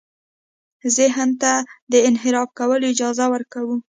ذهن ته د انحراف کولو اجازه ورکوو.